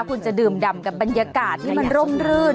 คุณจะดื่มดำกับบรรยากาศที่มันร่มรื่น